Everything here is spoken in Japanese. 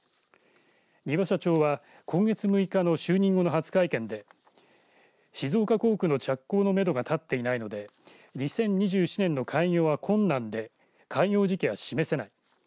丹羽社長は今月６日の就任後の初会見で静岡工区の着工のめどが立っていないので２０２７年の開業は困難で開業時期は示せない。